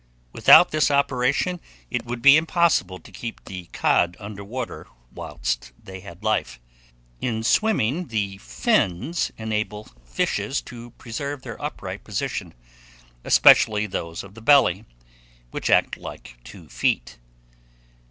Without this operation, it would be impossible to keep the cod under water whilst they had life. In swimming, the fins enable fishes to preserve their upright position, especially those of the belly, which act like two feet.